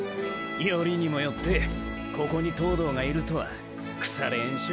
よりにもよってここに東堂がいるとはくされ縁ショ。